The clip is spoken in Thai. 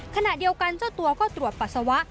ขณะเดียวกันเจ้าตัวก็ตรวจปัสสาวะ